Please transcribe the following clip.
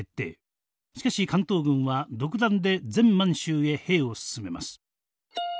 しかし関東軍は独断で全満州へ兵を進めます。